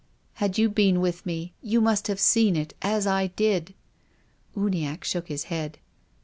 Had you been with me, you must have seen it as I did." Uniacke shook his head.